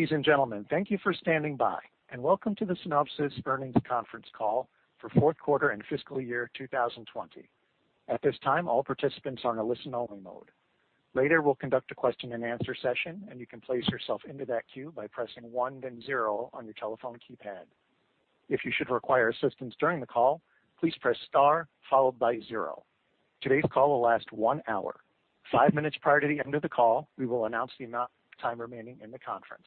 Ladies and gentlemen, thank you for standing by and welcome to the Synopsys Earnings Conference Call for fourth quarter and fiscal year 2020. At this time, all participants are in a listen-only mode. Later, we will conduct a question and answer session, and you can place yourself into that queue by pressing one, then zero on your telephone keypad. If you should require assistance during the call, please press star followed by zero. Today's call will last one hour. Five minutes prior to the end of the call, we will announce the amount of time remaining in the conference.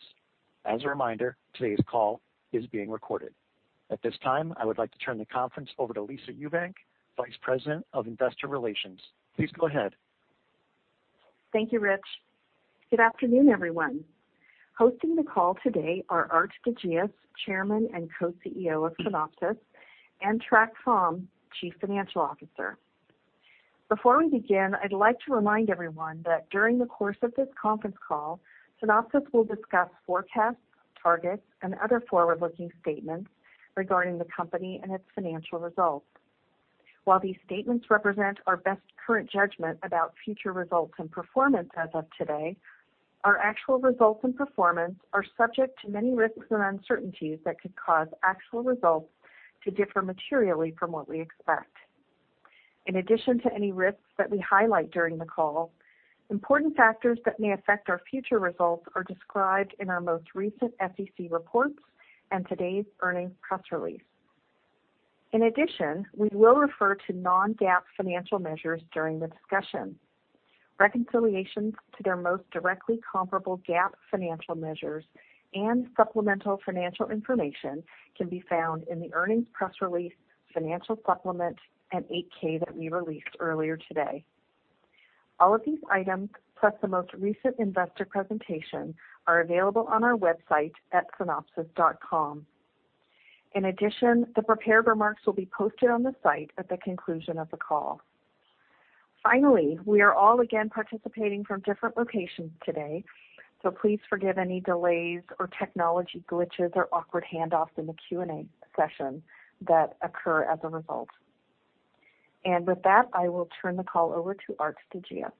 As a reminder, today's call is being recorded. At this time, I would like to turn the conference over to Lisa Ewbank, Vice President of Investor Relations. Please go ahead. Thank you, Rich. Good afternoon, everyone. Hosting the call today are Aart de Geus, Chairman and Co-CEO of Synopsys, and Trac Pham, Chief Financial Officer. Before we begin, I'd like to remind everyone that during the course of this conference call, Synopsys will discuss forecasts, targets, and other forward-looking statements regarding the company and its financial results. While these statements represent our best current judgment about future results and performance as of today, our actual results and performance are subject to many risks and uncertainties that could cause actual results to differ materially from what we expect. In addition to any risks that we highlight during the call, important factors that may affect our future results are described in our most recent SEC reports and today's earnings press release. In addition, we will refer to non-GAAP financial measures during the discussion. Reconciliations to their most directly comparable GAAP financial measures and supplemental financial information can be found in the earnings press release, financial supplement, and 8-K that we released earlier today. All of these items, plus the most recent investor presentation, are available on our website at synopsys.com. In addition, the prepared remarks will be posted on the site at the conclusion of the call. Finally, we are all again participating from different locations today, so please forgive any delays or technology glitches or awkward handoffs in the Q&A session that occur as a result. With that, I will turn the call over to Aart de Geus.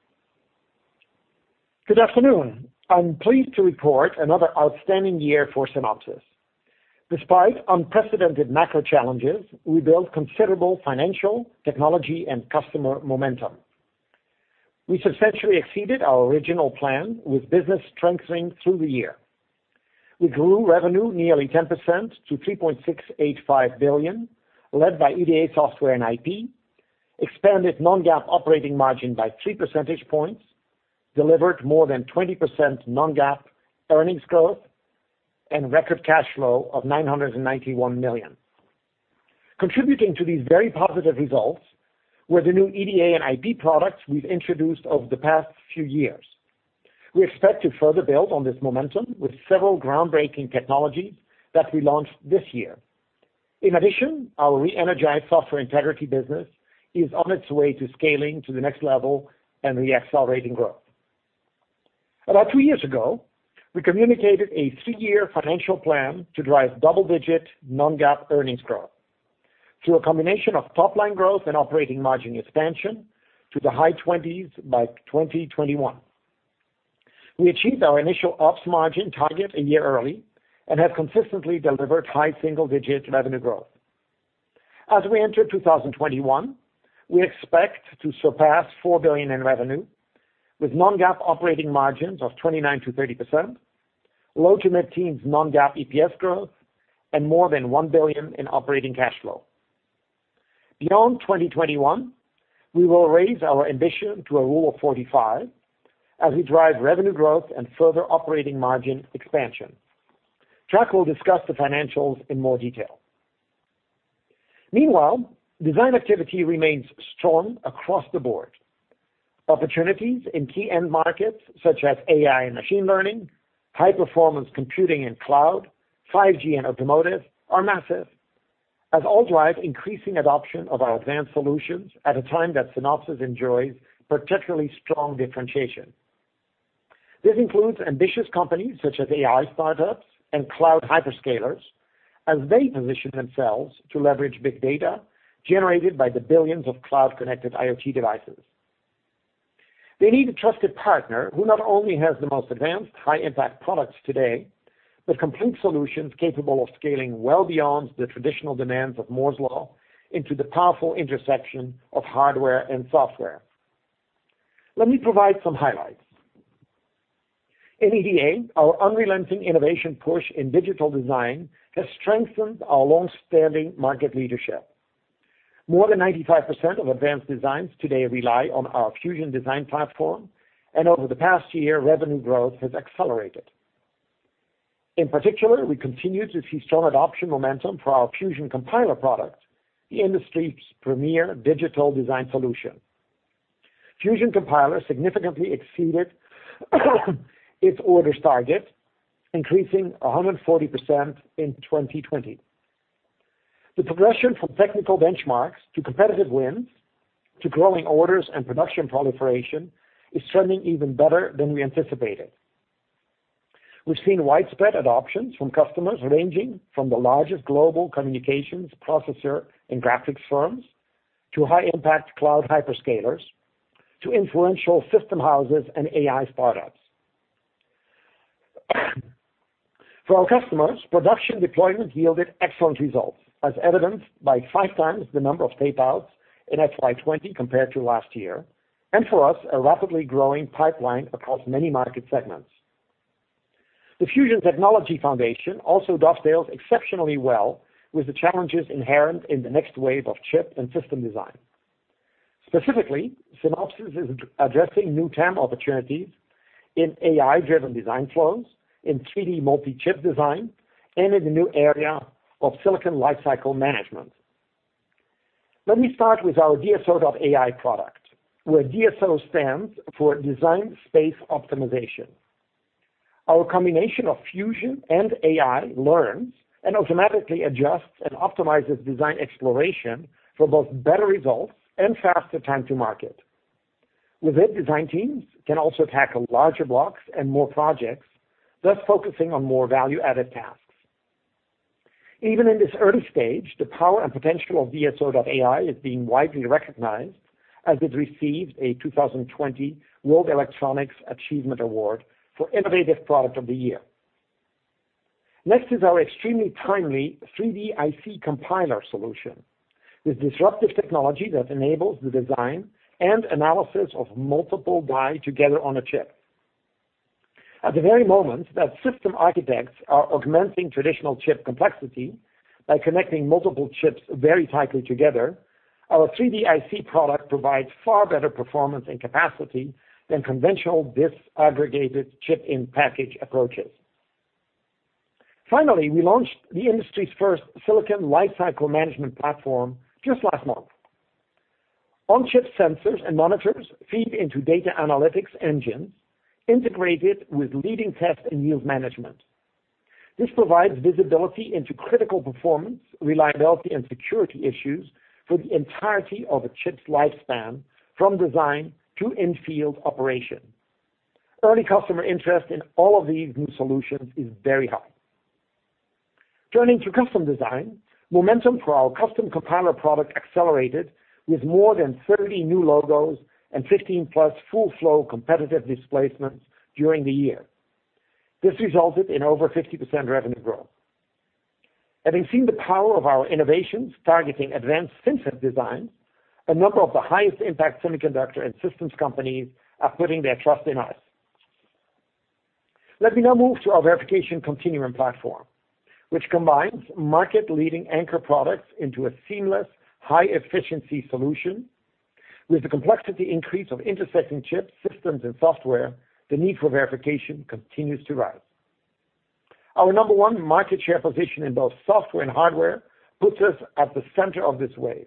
Good afternoon. I'm pleased to report another outstanding year for Synopsys. Despite unprecedented macro challenges, we built considerable financial, technology, and customer momentum. We substantially exceeded our original plan, with business strengthening through the year. We grew revenue nearly 10% to $3.685 billion, led by EDA software and IP, expanded non-GAAP operating margin by three percentage points, delivered more than 20% non-GAAP earnings growth, and record cash flow of $991 million. Contributing to these very positive results were the new EDA and IP products we've introduced over the past few years. We expect to further build on this momentum with several groundbreaking technologies that we launched this year. In addition, our re-energized Software Integrity business is on its way to scaling to the next level and re-accelerating growth. About two years ago, we communicated a three-year financial plan to drive double-digit non-GAAP earnings growth through a combination of top-line growth and operating margin expansion to the high 20s by 2021. We achieved our initial ops margin target a year early and have consistently delivered high single-digit revenue growth. As we enter 2021, we expect to surpass $4 billion in revenue with non-GAAP operating margins of 29%-30%, low to mid-teens non-GAAP EPS growth, and more than $1 billion in operating cash flow. Beyond 2021, we will raise our ambition to a Rule of 45 as we drive revenue growth and further operating margin expansion. Trac will discuss the financials in more detail. Meanwhile, design activity remains strong across the board. Opportunities in key end markets such as AI and machine learning, high-performance computing and cloud, 5G, and automotive are massive as all drive increasing adoption of our advanced solutions at a time that Synopsys enjoys particularly strong differentiation. This includes ambitious companies such as AI startups and cloud hyperscalers as they position themselves to leverage big data generated by the billions of cloud-connected IoT devices. They need a trusted partner who not only has the most advanced high-impact products today, but complete solutions capable of scaling well beyond the traditional demands of Moore's law into the powerful intersection of hardware and software. Let me provide some highlights. In EDA, our unrelenting innovation push in digital design has strengthened our long-standing market leadership. More than 95% of advanced designs today rely on our Fusion Design Platform, and over the past year, revenue growth has accelerated. In particular, we continue to see strong adoption momentum for our Fusion Compiler product, the industry's premier digital design solution. Fusion Compiler significantly exceeded its orders target, increasing 140% in 2020. The progression from technical benchmarks to competitive wins to growing orders and production proliferation is trending even better than we anticipated. We've seen widespread adoptions from customers ranging from the largest global communications processor and graphics firms to high-impact cloud hyperscalers to influential system houses and AI startups. For our customers, production deployment yielded excellent results, as evidenced by five times the number of tape-outs in FY 2020 compared to last year, and for us, a rapidly growing pipeline across many market segments. The Fusion technology foundation also dovetails exceptionally well with the challenges inherent in the next wave of chip and system design. Specifically, Synopsys is addressing new TAM opportunities in AI-driven design flows, in 3D multi-chip design, and in the new area of Silicon Lifecycle Management. Let me start with our DSO.ai product, where DSO stands for Design Space Optimization. Our combination of Fusion and AI learns and automatically adjusts and optimizes design exploration for both better results and faster time to market. With it, design teams can also tackle larger blocks and more projects, thus focusing on more value-added tasks. Even in this early stage, the power and potential of DSO.ai is being widely recognized as it received a 2020 World Electronics Achievement Award for Innovative Product of the Year. Next is our extremely timely 3DIC Compiler solution with disruptive technology that enables the design and analysis of multiple die together on a chip. At the very moment that system architects are augmenting traditional chip complexity by connecting multiple chips very tightly together, our 3D-IC product provides far better performance and capacity than conventional disaggregated chip-in-package approaches. Finally, we launched the industry's first Silicon Lifecycle Management platform just last month. On-chip sensors and monitors feed into data analytics engines integrated with leading test and yield management. This provides visibility into critical performance, reliability, and security issues for the entirety of a chip's lifespan, from design to in-field operation. Early customer interest in all of these new solutions is very high. Turning to custom design, momentum for our Custom Compiler product accelerated with more than 30 new logos and 15+ full flow competitive displacements during the year. This resulted in over 50% revenue growth. Having seen the power of our innovations targeting advanced FinFET design, a number of the highest impact semiconductor and systems companies are putting their trust in us. Let me now move to our Verification Continuum platform, which combines market-leading anchor products into a seamless high-efficiency solution. With the complexity increase of intersecting chip systems and software, the need for verification continues to rise. Our number one market share position in both software and hardware puts us at the center of this wave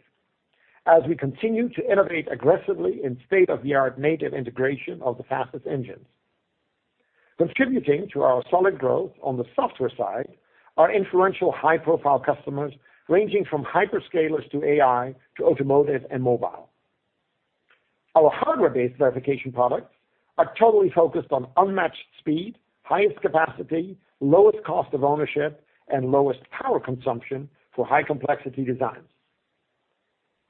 as we continue to innovate aggressively in state-of-the-art native integration of the fastest engines. Contributing to our solid growth on the software side are influential high-profile customers ranging from hyperscalers to AI to automotive and mobile. Our hardware-based verification products are totally focused on unmatched speed, highest capacity, lowest cost of ownership, and lowest power consumption for high-complexity designs.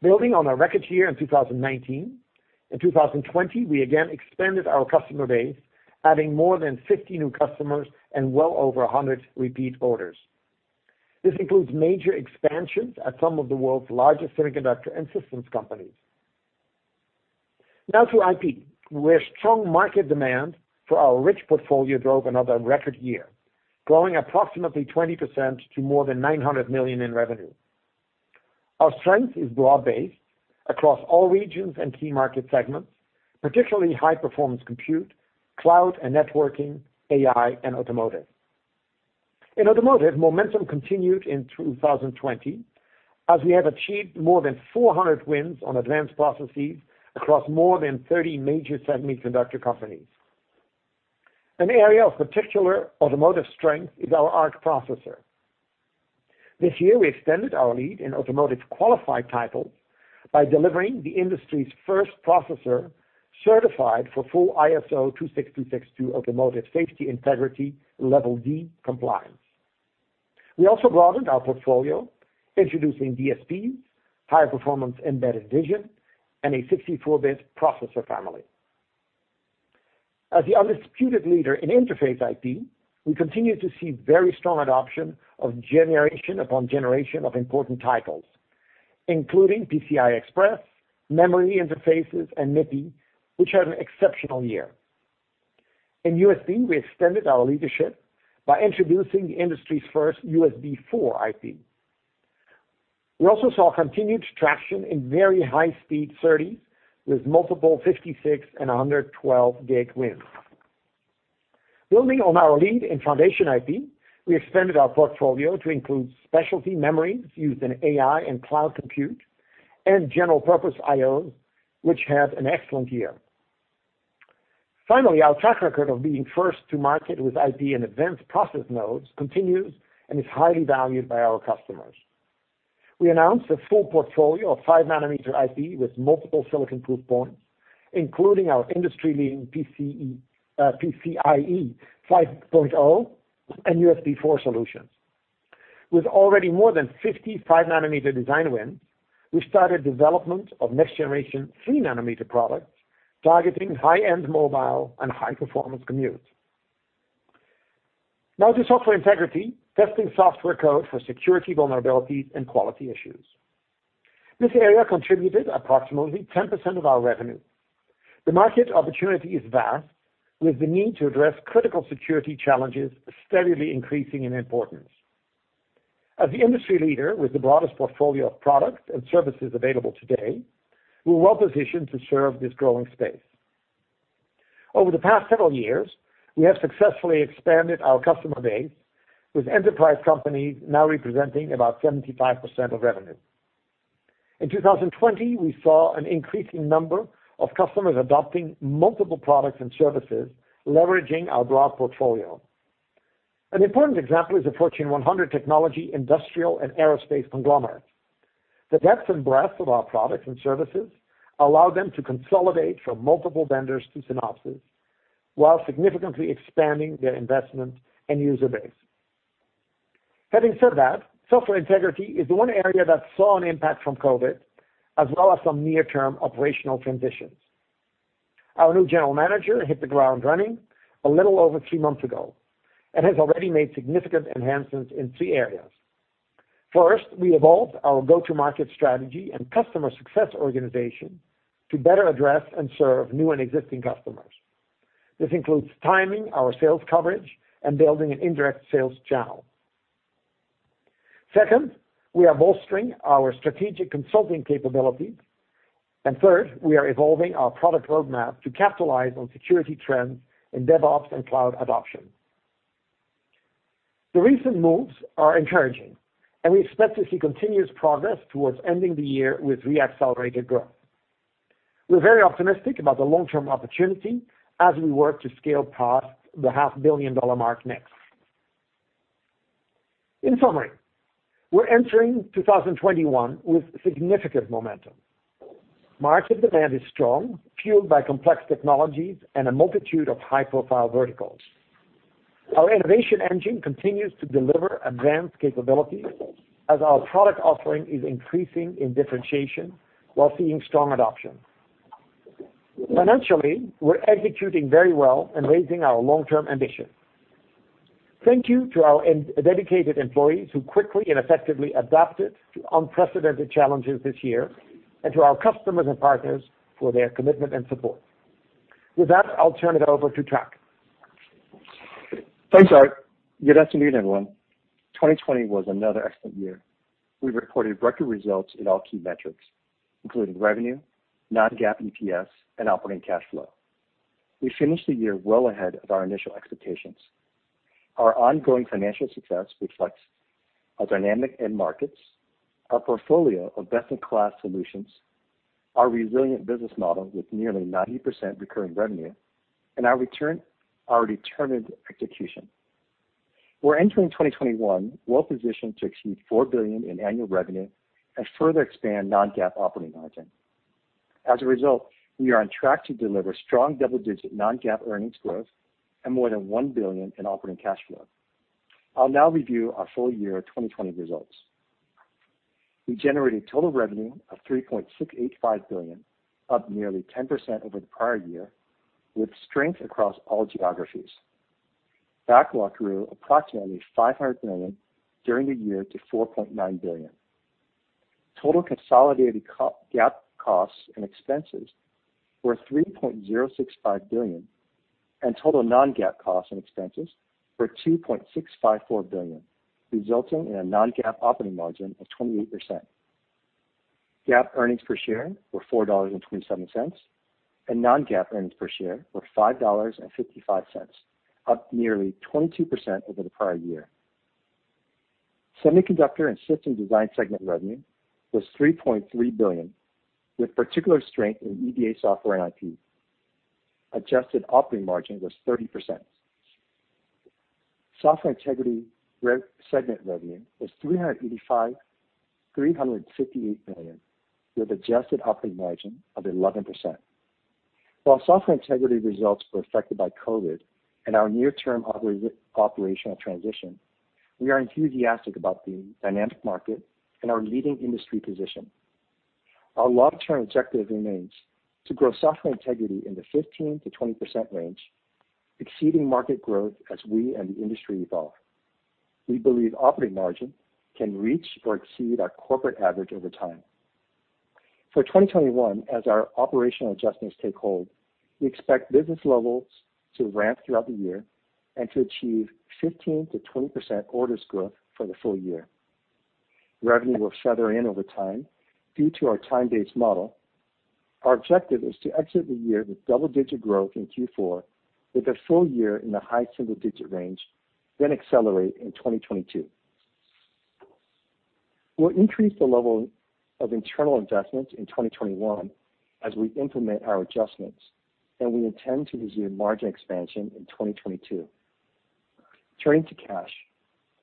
Building on our record year in 2019, in 2020, we again expanded our customer base, adding more than 50 new customers and well over 100 repeat orders. This includes major expansions at some of the world's largest semiconductor and systems companies. To IP, where strong market demand for our rich portfolio drove another record year, growing approximately 20% to more than $900 million in revenue. Our strength is broad-based across all regions and key market segments, particularly high-performance compute, cloud and networking, AI, and automotive. In automotive, momentum continued in 2020 as we have achieved more than 400 wins on advanced processes across more than 30 major semiconductor companies. An area of particular automotive strength is our ARC processor. This year, we extended our lead in automotive qualified titles by delivering the industry's first processor certified for full ISO 26262 Automotive Safety Integrity Level D compliance. We also broadened our portfolio, introducing DSPs, higher performance embedded vision, and a 64-bit processor family. As the undisputed leader in interface IP, we continue to see very strong adoption of generation upon generation of important titles, including PCI Express, memory interfaces, and MIPI, which had an exceptional year. In USB, we extended our leadership by introducing the industry's first USB4 IP. We also saw continued traction in very high-speed SerDes with multiple 56 and 112 gig wins. Building on our lead in foundation IP, we expanded our portfolio to include specialty memories used in AI and cloud compute and general-purpose IO, which had an excellent year. Finally, our track record of being first to market with IP and advanced process nodes continues and is highly valued by our customers. We announced a full portfolio of 5-nm IP with multiple silicon proof points, including our industry-leading PCIe 5.0 and USB4 solutions. With already more than 55-nm design wins, we started development of next generation 3-nm products targeting high-end mobile and high-performance compute. To Software Integrity, testing software code for security vulnerabilities and quality issues. This area contributed approximately 10% of our revenue. The market opportunity is vast, with the need to address critical security challenges steadily increasing in importance. As the industry leader with the broadest portfolio of products and services available today, we're well-positioned to serve this growing space. Over the past several years, we have successfully expanded our customer base, with enterprise companies now representing about 75% of revenue. In 2020, we saw an increasing number of customers adopting multiple products and services, leveraging our broad portfolio. An important example is a Fortune 100 technology, industrial, and aerospace conglomerate. The depth and breadth of our products and services allow them to consolidate from multiple vendors to Synopsys while significantly expanding their investment and user base. Having said that, Software Integrity is the one area that saw an impact from COVID, as well as some near-term operational transitions. Our new general manager hit the ground running a little over three months ago and has already made significant enhancements in three areas. First, we evolved our go-to-market strategy and customer success organization to better address and serve new and existing customers. This includes timing our sales coverage and building an indirect sales channel. Second, we are bolstering our strategic consulting capabilities. Third, we are evolving our product roadmap to capitalize on security trends in DevOps and cloud adoption. The recent moves are encouraging, and we expect to see continuous progress towards ending the year with re-accelerated growth. We're very optimistic about the long-term opportunity as we work to scale past the $500 million mark next. In summary, we're entering 2021 with significant momentum. Market demand is strong, fueled by complex technologies and a multitude of high-profile verticals. Our innovation engine continues to deliver advanced capabilities as our product offering is increasing in differentiation while seeing strong adoption. Financially, we're executing very well and raising our long-term ambition. Thank you to our dedicated employees who quickly and effectively adapted to unprecedented challenges this year, and to our customers and partners for their commitment and support. With that, I'll turn it over to Trac. Thanks, Aart. Good afternoon, everyone. 2020 was another excellent year. We reported record results in all key metrics, including revenue, non-GAAP EPS, and operating cash flow. We finished the year well ahead of our initial expectations. Our ongoing financial success reflects our dynamic end markets, our portfolio of best-in-class solutions, our resilient business model with nearly 90% recurring revenue, and our determined execution. We're entering 2021 well-positioned to exceed $4 billion in annual revenue and further expand non-GAAP operating margin. As a result, we are on track to deliver strong double-digit non-GAAP earnings growth and more than $1 billion in operating cash flow. I'll now review our full year 2020 results. We generated total revenue of $3.685 billion, up nearly 10% over the prior year, with strength across all geographies. Backlog grew approximately $500 million during the year to $4.9 billion. Total consolidated GAAP costs and expenses were $3.065 billion, and total non-GAAP costs and expenses were $2.654 billion, resulting in a non-GAAP operating margin of 28%. GAAP earnings per share were $4.27, and non-GAAP earnings per share were $5.55, up nearly 22% over the prior year. Semiconductor and System Design segment revenue was $3.3 billion, with particular strength in EDA software and IP. Adjusted operating margin was 30%. Software Integrity segment revenue was $358 million, with adjusted operating margin of 11%. While Software Integrity results were affected by COVID and our near-term operational transition, we are enthusiastic about the dynamic market and our leading industry position. Our long-term objective remains to grow Software Integrity in the 15%-20% range, exceeding market growth as we and the industry evolve. We believe operating margin can reach or exceed our corporate average over time. For 2021, as our operational adjustments take hold, we expect business levels to ramp throughout the year and to achieve 15%-20% orders growth for the full year. Revenue will feather in over time due to our time-based model. Our objective is to exit the year with double-digit growth in Q4, with the full year in the high single-digit range, then accelerate in 2022. We'll increase the level of internal investments in 2021 as we implement our adjustments, and we intend to resume margin expansion in 2022. Turning to cash.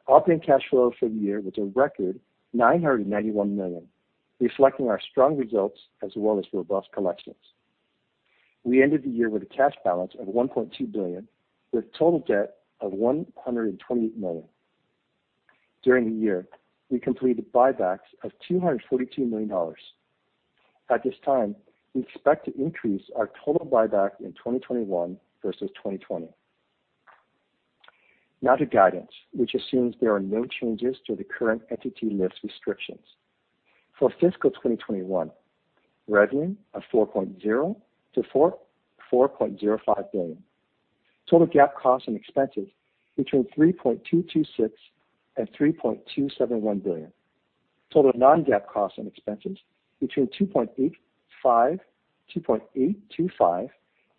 Operating cash flow for the year was a record $991 million, reflecting our strong results as well as robust collections. We ended the year with a cash balance of $1.2 billion, with total debt of $120 million. During the year, we completed buybacks of $242 million. At this time, we expect to increase our total buyback in 2021 versus 2020. To guidance, which assumes there are no changes to the current Entity List restrictions. For fiscal 2021, revenue of $4.0 billion-$4.05 billion. Total GAAP costs and expenses between $3.226 billion and $3.271 billion. Total non-GAAP costs and expenses between $2.825 billion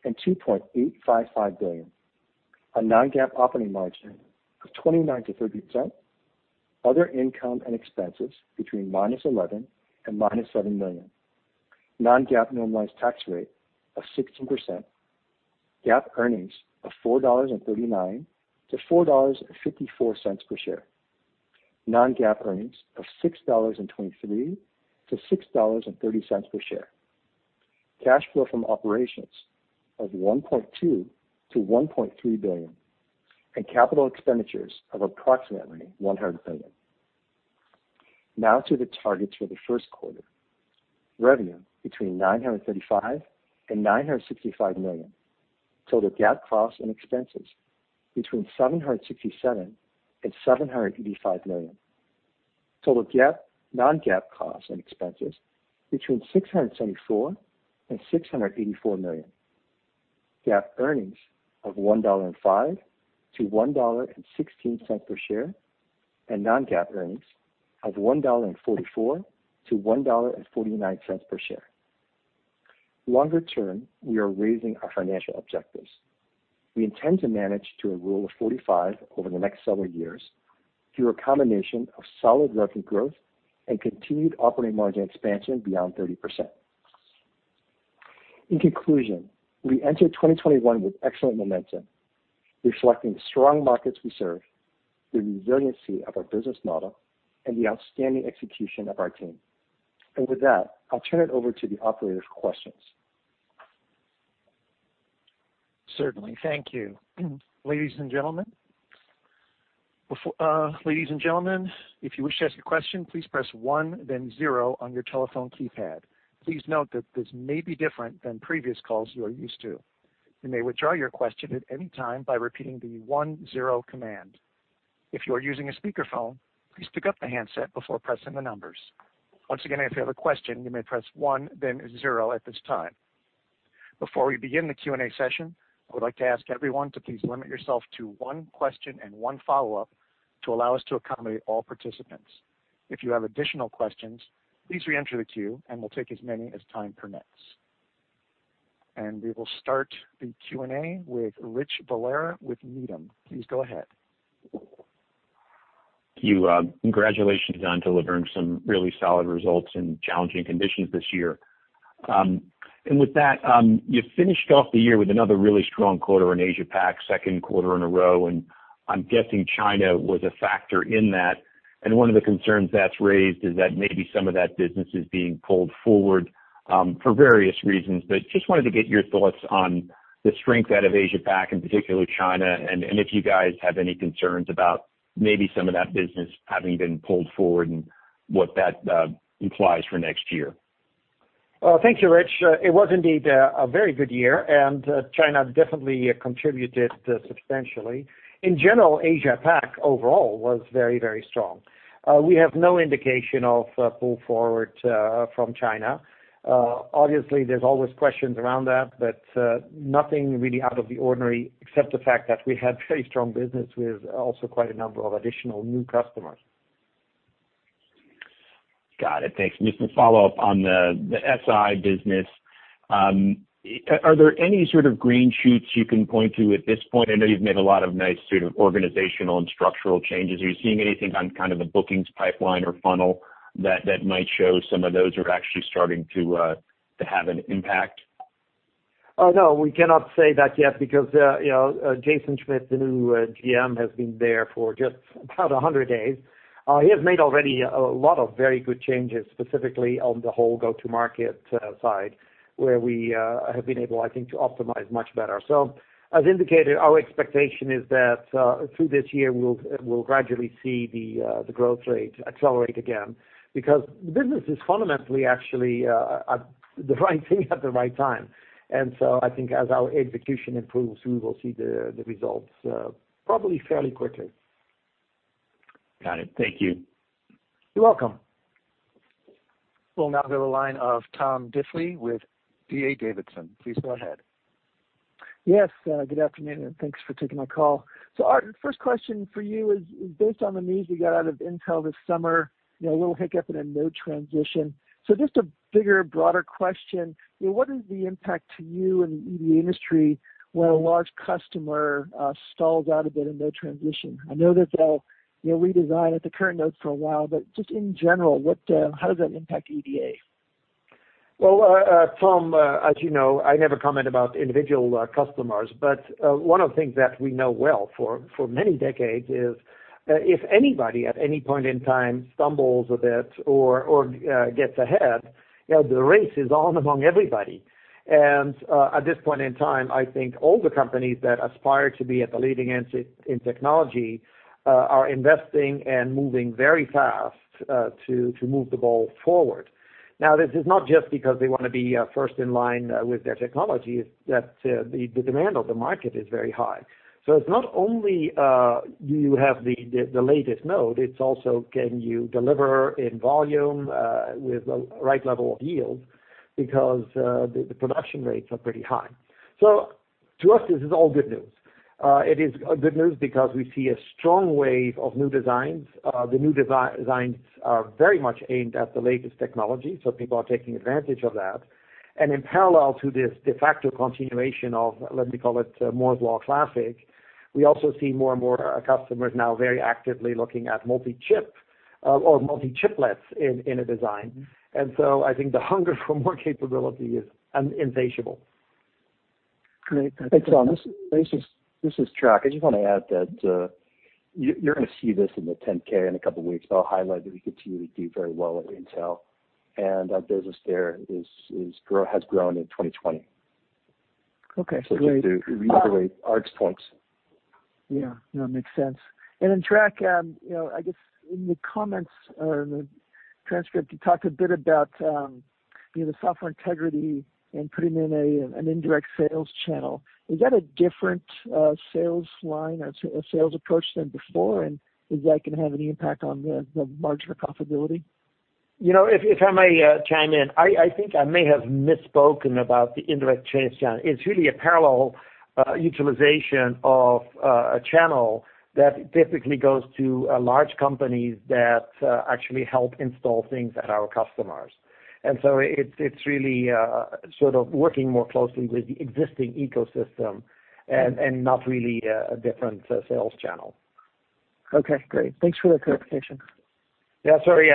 and $2.855 billion. A non-GAAP operating margin of 29%-30%. Other income and expenses between -$11 million and -$7 million. Non-GAAP normalized tax rate of 16%. GAAP earnings of $4.39-$4.54 per share. Non-GAAP earnings of $6.23-$6.30 per share. Cash flow from operations of $1.2 billion-$1.3 billion. Capital expenditures of approximately $100 million. To the targets for the first quarter. Revenue between $935 million and $965 million. Total GAAP costs and expenses between $767 million and $785 million. Total non-GAAP costs and expenses between $674 million and $684 million. GAAP earnings of $1.05-$1.16 per share, non-GAAP earnings of $1.44-$1.49 per share. Longer term, we are raising our financial objectives. We intend to manage to a Rule of 45 over the next several years through a combination of solid revenue growth and continued operating margin expansion beyond 30%. In conclusion, we enter 2021 with excellent momentum, reflecting the strong markets we serve, the resiliency of our business model, and the outstanding execution of our team. With that, I'll turn it over to the operator for questions. Certainly. Thank you. Ladies and gentlemen, if you wish to ask a question, please press one then zero on your telephone keypad. Please note that this may be different than previous calls you are used to. You may withdraw your question at any time by repeating the one zero command. If you are using a speakerphone, please pick up the handset before pressing the numbers. Once again, if you have a question, you may press one then zero at this time. Before we begin the Q&A session, I would like to ask everyone to please limit yourself to one question and one follow-up to allow us to accommodate all participants. If you have additional questions, please reenter the queue and we will take as many as time permits. We will start the Q&A with Rich Valera with Needham. Please go ahead. Thank you. Congratulations on delivering some really solid results in challenging conditions this year. With that, you finished off the year with another really strong quarter in Asia Pac, second quarter in a row, and I'm guessing China was a factor in that. One of the concerns that's raised is that maybe some of that business is being pulled forward, for various reasons. Just wanted to get your thoughts on the strength out of Asia Pac, and particularly China, and if you guys have any concerns about maybe some of that business having been pulled forward and what that implies for next year. Well, thank you, Rich. It was indeed a very good year. China definitely contributed substantially. In general, Asia Pac overall was very strong. We have no indication of pull forward from China. Obviously, there's always questions around that. Nothing really out of the ordinary except the fact that we had very strong business with also quite a number of additional new customers. Got it. Thanks. Just to follow up on the SI business. Are there any sort of green shoots you can point to at this point? I know you've made a lot of nice sort of organizational and structural changes. Are you seeing anything on kind of the bookings pipeline or funnel that might show some of those are actually starting to have an impact? We cannot say that yet because Jason Schmitt, the new GM, has been there for just about 100 days. He has made already a lot of very good changes, specifically on the whole go-to-market side, where we have been able, I think, to optimize much better. As indicated, our expectation is that, through this year, we'll gradually see the growth rate accelerate again because the business is fundamentally actually the right thing at the right time. I think as our execution improves, we will see the results probably fairly quickly. Got it. Thank you. You're welcome. We'll now go to the line of Tom Diffely with D.A. Davidson. Please go ahead. Yes. Good afternoon, and thanks for taking my call. Aart, first question for you is based on the news we got out of Intel this summer, a little hiccup in a node transition. Just a bigger, broader question. What is the impact to you and the EDA industry when a large customer stalls out a bit in node transition? I know that they'll redesign at the current nodes for a while, but just in general, how does that impact EDA? Well, Tom, as you know, I never comment about individual customers. One of the things that we know well for many decades is if anybody at any point in time stumbles a bit or gets ahead, the race is on among everybody. At this point in time, I think all the companies that aspire to be at the leading edge in technology are investing and moving very fast to move the ball forward. This is not just because they want to be first in line with their technology, it's that the demand of the market is very high. It's not only do you have the latest node, it's also can you deliver in volume with the right level of yield, because the production rates are pretty high. To us, this is all good news. It is good news because we see a strong wave of new designs. The new designs are very much aimed at the latest technology, so people are taking advantage of that. In parallel to this de facto continuation of, let me call it, Moore's law Classic, we also see more and more customers now very actively looking at multi-chip or multi-chiplets in a design. I think the hunger for more capability is insatiable. Great. Hey, Tom. This is Trac. I just want to add that you're going to see this in the 10-K in a couple of weeks, but I'll highlight that we continue to do very well with Intel, and our business there has grown in 2020. Okay, great. Just to reiterate Aart's points. Yeah. No, it makes sense. Trac, I guess in the comments or in the transcript, you talked a bit about the Software Integrity and putting in an indirect sales channel. Is that a different sales line or sales approach than before? Is that going to have any impact on the margin profitability? If I may chime in, I think I may have misspoken about the indirect sales channel. It's really a parallel utilization of a channel that typically goes to large companies that actually help install things at our customers. It's really sort of working more closely with the existing ecosystem and not really a different sales channel. Okay, great. Thanks for the clarification. Yeah, sorry.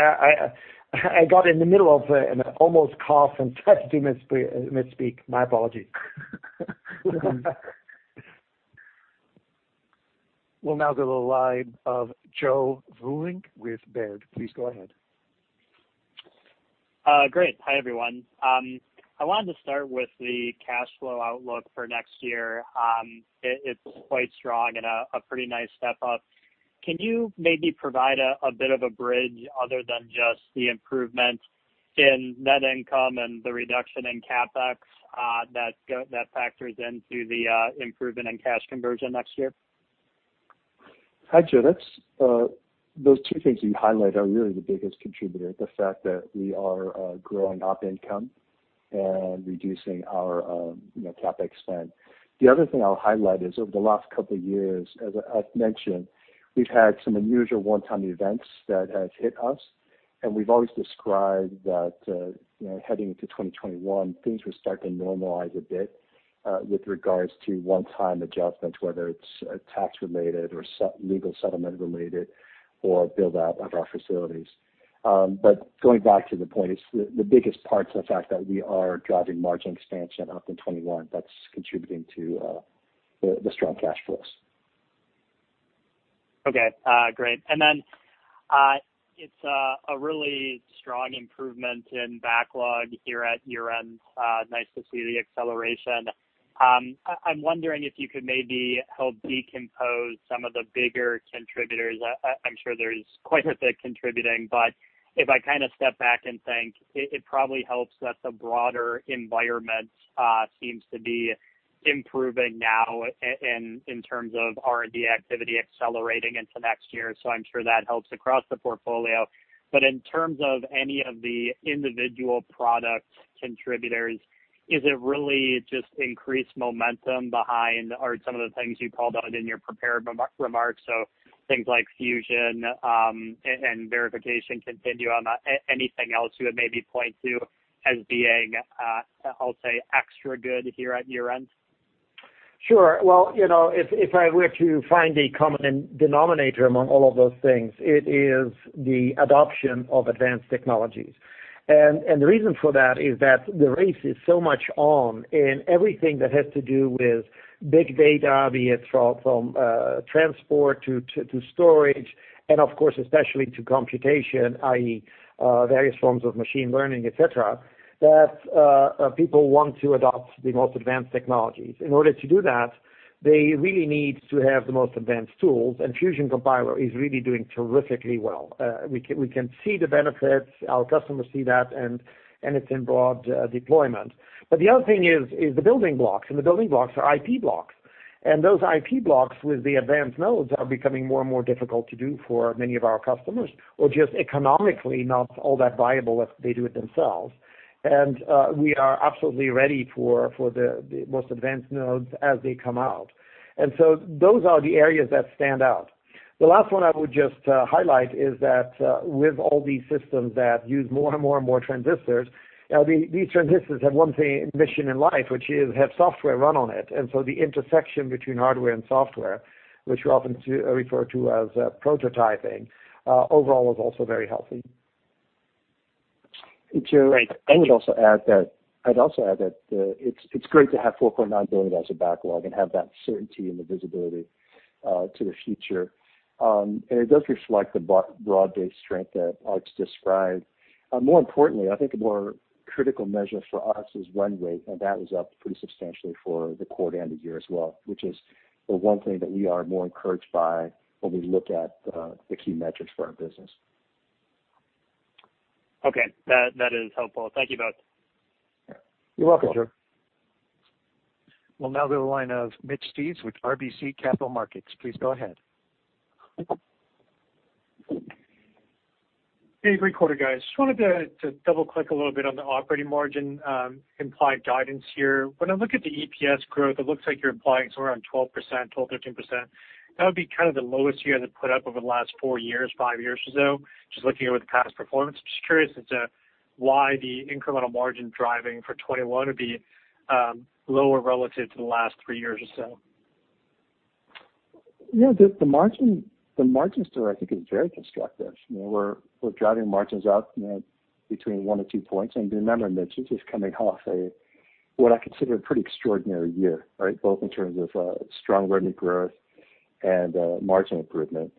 I got in the middle of an almost cough and tried to misspeak. My apologies. We'll now go to the line of Joe Vruwink with Baird. Please go ahead. Great. Hi, everyone. I wanted to start with the cash flow outlook for next year. It's quite strong and a pretty nice step up. Can you maybe provide a bit of a bridge other than just the improvement in net income and the reduction in CapEx that factors into the improvement in cash conversion next year? Hi, Joe. Those two things you highlight are really the biggest contributor, the fact that we are growing op income and reducing our CapEx spend. The other thing I'll highlight is over the last couple of years, as I've mentioned, we've had some unusual one-time events that have hit us, and we've always described that heading into 2021, things will start to normalize a bit with regards to one-time adjustments, whether it's tax related or legal settlement related or build out of our facilities. Going back to the point, the biggest part is the fact that we are driving margin expansion up in 2021. That's contributing to the strong cash flows. Okay, great. Then it's a really strong improvement in backlog here at year end. Nice to see the acceleration. I'm wondering if you could maybe help decompose some of the bigger contributors. I'm sure there's quite a bit contributing, but if I kind of step back and think, it probably helps that the broader environment seems to be improving now in terms of R&D activity accelerating into next year. I'm sure that helps across the portfolio. In terms of any of the individual product contributors, is it really just increased momentum behind, are some of the things you called out in your prepared remarks, things like Fusion and Verification Continuum on that? Anything else you would maybe point to as being, I'll say, extra good here at year end? Sure. Well, if I were to find a common denominator among all of those things, it is the adoption of advanced technologies. The reason for that is that the race is so much on in everything that has to do with big data, be it from transport to storage, and of course, especially to computation, i.e., various forms of machine learning, et cetera, that people want to adopt the most advanced technologies. In order to do that, they really need to have the most advanced tools, and Fusion Compiler is really doing terrifically well. We can see the benefits, our customers see that, and it's in broad deployment. The other thing is the building blocks, and the building blocks are IP blocks. Those IP blocks with the advanced nodes are becoming more and more difficult to do for many of our customers, or just economically not all that viable if they do it themselves. We are absolutely ready for the most advanced nodes as they come out. Those are the areas that stand out. The last one I would just highlight is that with all these systems that use more and more transistors, these transistors have one mission in life, which is have software run on it. The intersection between hardware and software, which we often refer to as prototyping, overall is also very healthy. Great. I would also add that it's great to have $4.9 billion as a backlog and have that certainty and the visibility to the future. It does reflect the broad-based strength that Aart described. More importantly, I think a more critical measure for us is run rate, and that was up pretty substantially for the quarter and the year as well, which is the one thing that we are more encouraged by when we look at the key metrics for our business. Okay. That is helpful. Thank you both. You're welcome, Joe. We'll now go to the line of Mitch Steves with RBC Capital Markets. Please go ahead. Great quarter, guys. Just wanted to double-click a little bit on the operating margin implied guidance here. When I look at the EPS growth, it looks like you're implying somewhere around 12%, 12%, 13%. That would be the lowest you guys have put up over the last four years, five years or so. Just looking over the past performance, I'm just curious as to why the incremental margin driving for 2021 would be lower relative to the last three years or so. Yeah, the margin story, I think, is very constructive. We're driving margins up between one and two points. Remember, Mitch, this is coming off a, what I consider, a pretty extraordinary year, right? Both in terms of strong revenue growth and margin improvement.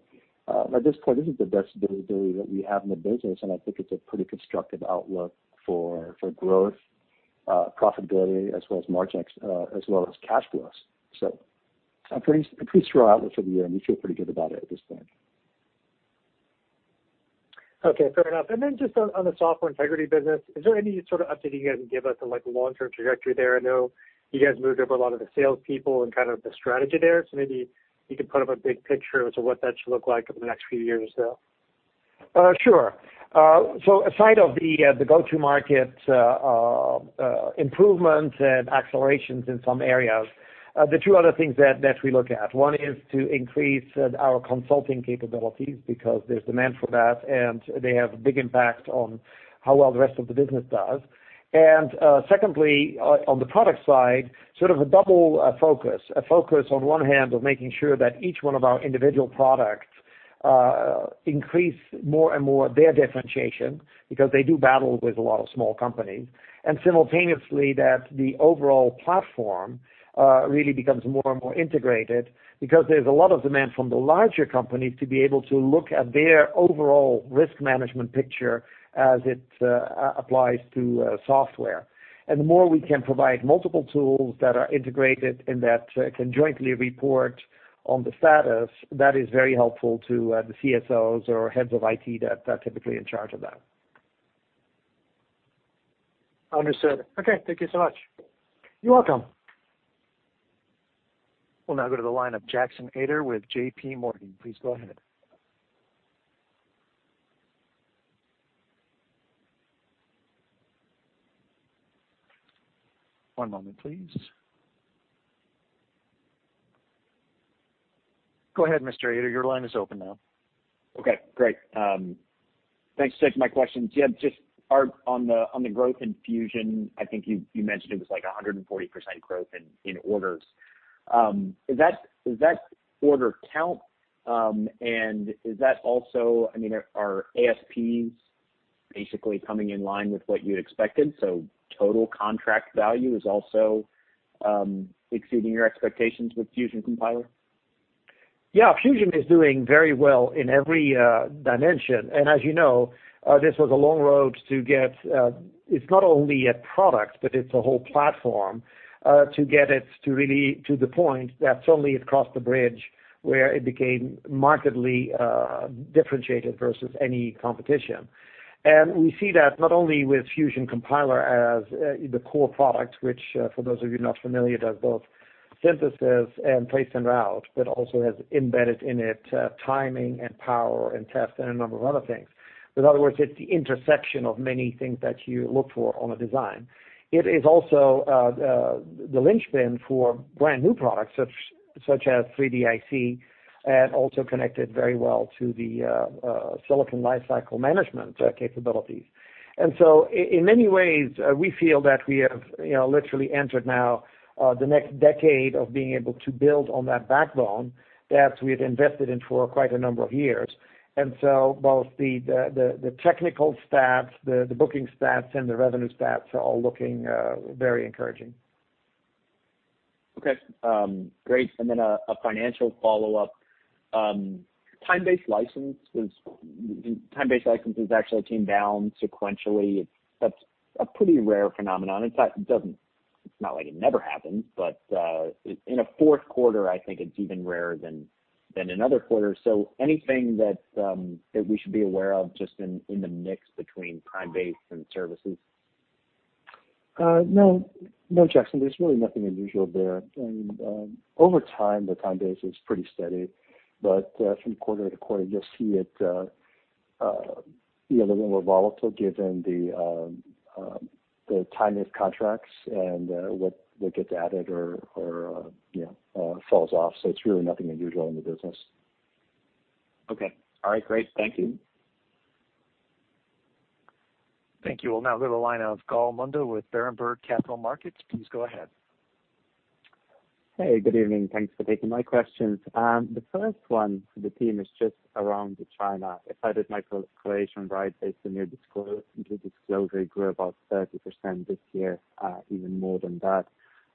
At this point, this is the best visibility that we have in the business, and I think it's a pretty constructive outlook for growth, profitability as well as cash flows. I'm pretty thrilled with the year, and we feel pretty good about it at this point. Okay, fair enough. Then just on the Software Integrity business, is there any sort of update that you guys can give us on the long-term trajectory there? I know you guys moved over a lot of the salespeople and the strategy there, maybe you could put up a big picture as to what that should look like over the next few years or so. Sure. Aside of the go-to-market improvements and accelerations in some areas, the two other things that we look at. One is to increase our consulting capabilities because there's demand for that, and they have a big impact on how well the rest of the business does. Secondly, on the product side, sort of a double focus. A focus on one hand of making sure that each one of our individual products increase more and more their differentiation, because they do battle with a lot of small companies. Simultaneously that the overall platform really becomes more and more integrated because there's a lot of demand from the larger companies to be able to look at their overall risk management picture as it applies to software. The more we can provide multiple tools that are integrated and that can jointly report on the status, that is very helpful to the CSOs or heads of IT that are typically in charge of that. Understood. Okay. Thank you so much. You're welcome. We'll now go to the line of Jackson Ader with JPMorgan. Please go ahead. One moment, please. Go ahead, Mr. Ader. Your line is open now. Okay, great. Thanks for taking my questions. Just Aart, on the growth in Fusion, I think you mentioned it was like 140% growth in orders. Is that order count, and is that also, are ASPs basically coming in line with what you had expected? Total contract value is also exceeding your expectations with Fusion Compiler? Yeah. Fusion is doing very well in every dimension. As you know, this was a long road to get. It's not only a product, but it's a whole platform to get it to the point that suddenly it crossed the bridge where it became markedly differentiated versus any competition. We see that not only with Fusion Compiler as the core product, which for those of you not familiar, does both synthesis and place and route, but also has embedded in it timing and power and test and a number of other things. In other words, it's the intersection of many things that you look for on a design. It is also the linchpin for brand-new products such as 3D-IC and also connected very well to the Silicon Lifecycle Management capabilities. In many ways, we feel that we have literally entered now the next decade of being able to build on that backbone that we've invested in for quite a number of years. Both the technical stats, the booking stats, and the revenue stats are all looking very encouraging. Okay. Great, then a financial follow-up. Time-based license has actually come down sequentially. That's a pretty rare phenomenon. It's not like it never happens, but in a fourth quarter, I think it's even rarer than in other quarters. Anything that we should be aware of just in the mix between time-based and services? Jackson, there's really nothing unusual there. I mean, over time, the time base is pretty steady, but from quarter to quarter, you'll see it a little more volatile given the time-based contracts and what gets added or falls off. It's really nothing unusual in the business. Okay. All right, great. Thank you. Thank you. We'll now go to the line of Gal Munda with Berenberg Capital Markets. Please go ahead. Hey, good evening. Thanks for taking my questions. The first one for the team is just around China. If I did my calculation right based on your disclosure, it grew about 30% this year, even more than that.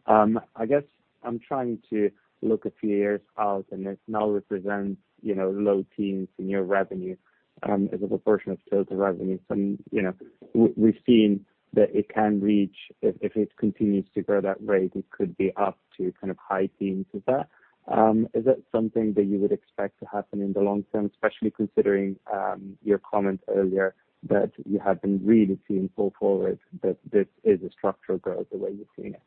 I guess I'm trying to look a few years out, and it now represents low teens in your revenue as a proportion of total revenue. We've seen that it can reach, if it continues to grow at that rate, it could be up to high teens. Is that something that you would expect to happen in the long term, especially considering your comment earlier that you have been really seeing pull forward, that this is a structural growth the way you've seen it?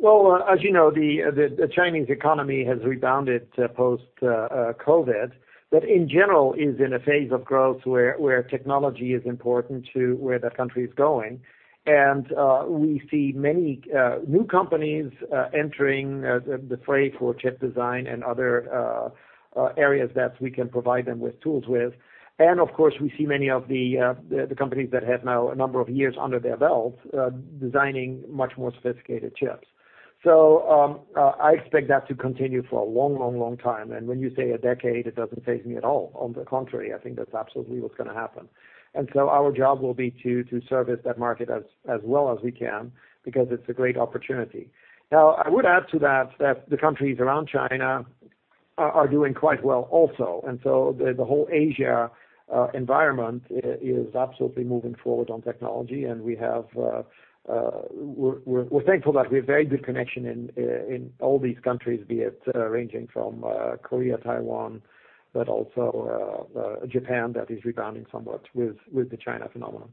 Well, as you know, the Chinese economy has rebounded post-COVID, but in general is in a phase of growth where technology is important to where the country is going. We see many new companies entering the fray for chip design and other areas that we can provide them with tools with. Of course, we see many of the companies that have now a number of years under their belt, designing much more sophisticated chips. I expect that to continue for a long time. When you say a decade, it doesn't faze me at all. On the contrary, I think that's absolutely what's going to happen. Our job will be to service that market as well as we can because it's a great opportunity. Now, I would add to that the countries around China are doing quite well also. The whole Asia environment is absolutely moving forward on technology and we're thankful that we have very good connection in all these countries, be it ranging from Korea, Taiwan, but also Japan that is rebounding somewhat with the China phenomenon.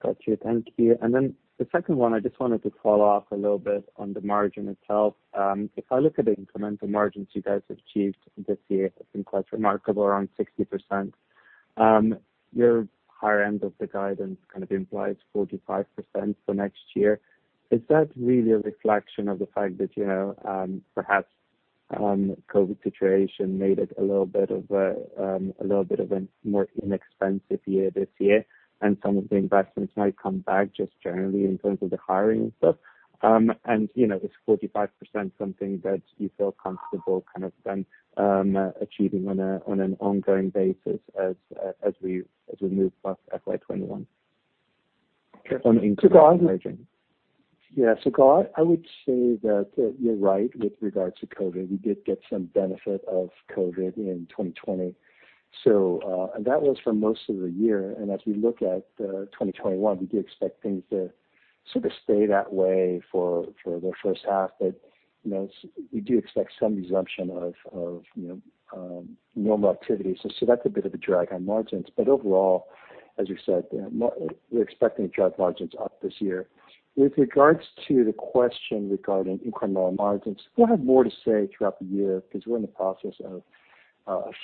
Got you. Thank you. The second one, I just wanted to follow up a little bit on the margin itself. If I look at the incremental margins you guys have achieved this year, it's been quite remarkable, around 60%. Your higher end of the guidance kind of implies 45% for next year. Is that really a reflection of the fact that perhaps COVID situation made it a little bit of a more inexpensive year this year and some of the investments might come back just generally in terms of the hiring and stuff? Is 45% something that you feel comfortable kind of then achieving on an ongoing basis as we move past FY 2021 on incremental margin? Gal, I would say that you're right with regards to COVID. We did get some benefit of COVID in 2020. That was for most of the year. As we look at 2021, we do expect things to sort of stay that way for the first half. We do expect some resumption of normal activity. That's a bit of a drag on margins. Overall, as you said, we're expecting to drive margins up this year. With regards to the question regarding incremental margins, we'll have more to say throughout the year because we're in the process of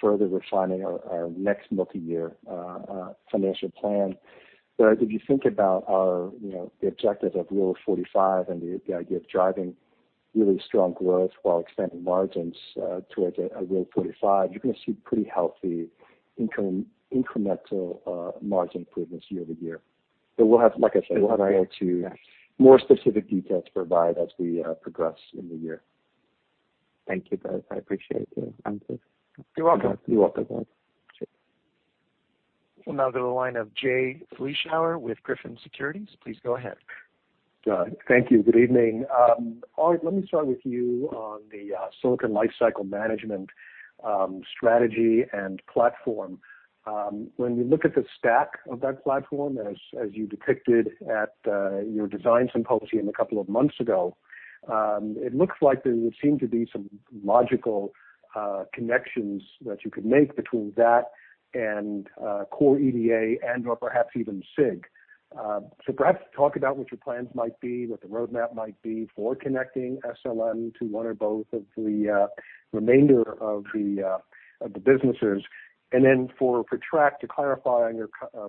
further refining our next multi-year financial plan. If you think about the objective of Rule of 45 and the idea of driving really strong growth while extending margins towards a Rule of 45, you're going to see pretty healthy incremental margin improvements year-over-year. We'll have, like I said, we'll have more. Right. Yeah. More specific details to provide as we progress in the year. Thank you both. I appreciate it. You're welcome. You're welcome, Gal. Sure. We'll now go to the line of Jay Vleeschhouwer with Griffin Securities. Please go ahead. Got it. Thank you. Good evening. Aart, let me start with you on the Silicon Lifecycle Management strategy and platform. When we look at the stack of that platform as you depicted at your design symposium a couple of months ago, it looks like there would seem to be some logical connections that you could make between that and core EDA and/or perhaps even SIG. Perhaps talk about what your plans might be, what the roadmap might be for connecting SLM to one or both of the remainder of the businesses. For Trac, to clarify on your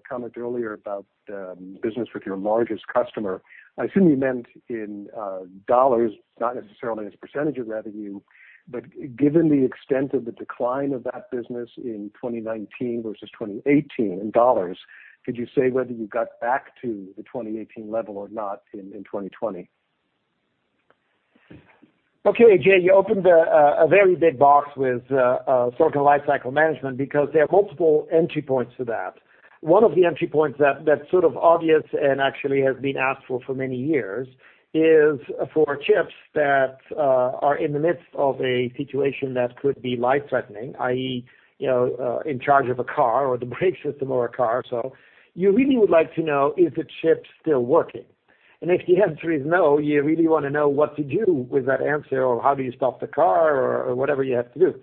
comment earlier about the business with your largest customer, I assume you meant in dollars, not necessarily as percentage of revenue, but given the extent of the decline of that business in 2019 versus 2018 in dollars, could you say whether you got back to the 2018 level or not in 2020? Okay, Jay, you opened a very big box with Silicon Lifecycle Management because there are multiple entry points to that. One of the entry points that's sort of obvious and actually has been asked for for many years is for chips that are in the midst of a situation that could be life-threatening, i.e., in charge of a car or the brake system of a car or so. You really would like to know, is the chip still working? If the answer is no, you really want to know what to do with that answer or how do you stop the car or whatever you have to do.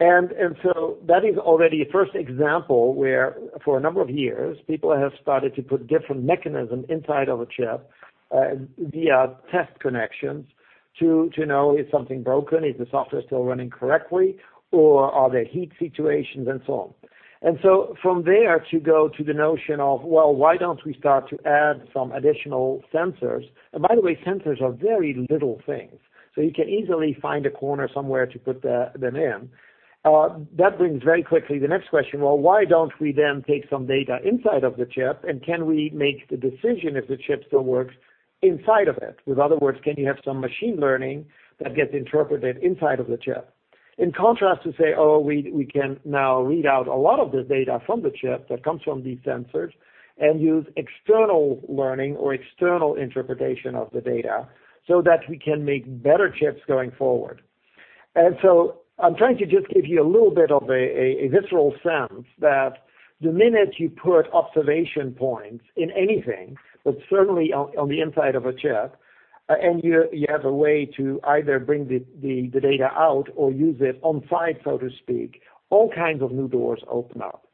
That is already a first example where for a number of years, people have started to put different mechanism inside of a chip via test connections to know is something broken, is the software still running correctly, or are there heat situations and so on. From there to go to the notion of, well, why don't we start to add some additional sensors? By the way, sensors are very little things, so you can easily find a corner somewhere to put them in. That brings very quickly the next question. Well, why don't we then take some data inside of the chip and can we make the decision if the chip still works inside of it? With other words, can you have some machine learning that gets interpreted inside of the chip? In contrast to say, oh, we can now read out a lot of the data from the chip that comes from these sensors and use external learning or external interpretation of the data so that we can make better chips going forward. I'm trying to just give you a little bit of a visceral sense that the minute you put observation points in anything, but certainly on the inside of a chip, and you have a way to either bring the data out or use it on-site, so to speak, all kinds of new doors open up.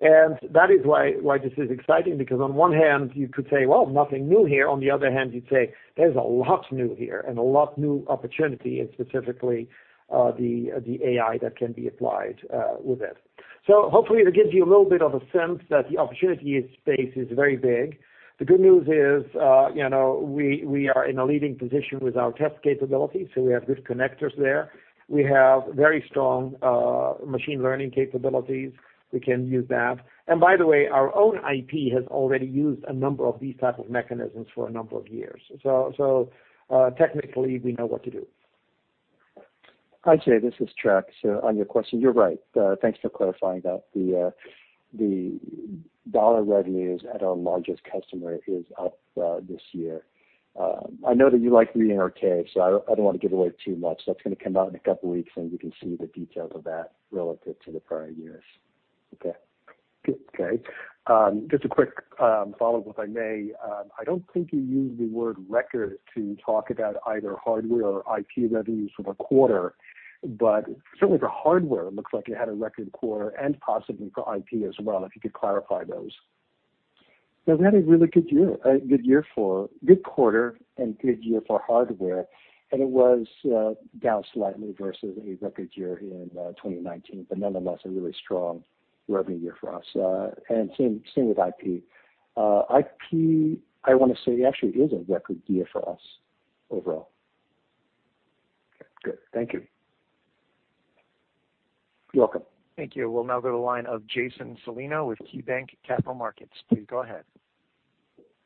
That is why this is exciting, because on one hand, you could say, "Well, nothing new here." On the other hand, you'd say, "There's a lot new here and a lot new opportunity, and specifically, the AI that can be applied with it." Hopefully it gives you a little bit of a sense that the opportunity space is very big. The good news is we are in a leading position with our test capabilities, so we have good connectors there. We have very strong machine learning capabilities. We can use that. By the way, our own IP has already used a number of these type of mechanisms for a number of years. Technically, we know what to do. Hi, Jay, this is Trac. On your question, you're right. Thanks for clarifying that. The dollar revenues at our largest customer is up this year. I know that you like reading our K, so I don't want to give away too much. That's going to come out in a couple of weeks, and we can see the details of that relative to the prior years. Okay. Okay. Just a quick follow-up, if I may. I don't think you used the word record to talk about either hardware or IP revenues for the quarter, but certainly for hardware, it looks like it had a record quarter and possibly for IP as well, if you could clarify those. We had a really good quarter and good year for hardware, and it was down slightly versus a record year in 2019, but nonetheless, a really strong revenue year for us. Same with IP. IP, I want to say, actually is a record year for us overall. Okay, good. Thank you. You're welcome. Thank you. We'll now go to the line of Jason Celino with KeyBanc Capital Markets. Please go ahead.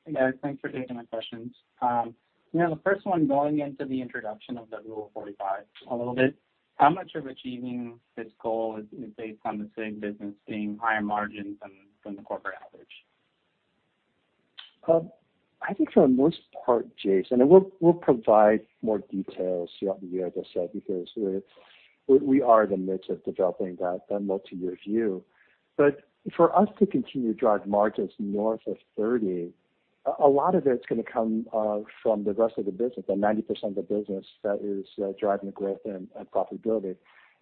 Hey, guys, thanks for taking my questions. The first one, going into the introduction of the Rule of 45 a little bit, how much of achieving this goal is based on the SIG business seeing higher margins than the corporate average? I think for the most part, Jason, and we'll provide more details throughout the year, as I said, because we are in the midst of developing that multi-year view. For us to continue to drive margins north of 30%, a lot of it's going to come from the rest of the business, the 90% of the business that is driving the growth and profitability.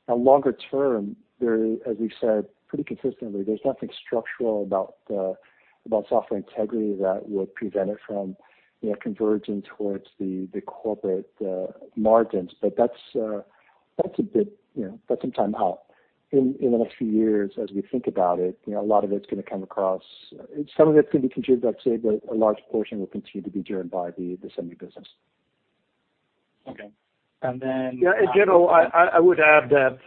Longer term, as we've said pretty consistently, there's nothing structural about Software Integrity that would prevent it from converging towards the corporate margins. That's some time out. In the next few years, as we think about it, some of it's going to be contributed, I'd say, but a large portion will continue to be driven by the semi business. Okay. In general, I would add that